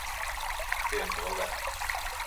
Tiven que volver.